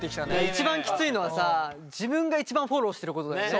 一番きついのはさ自分が一番フォローしてることだよね。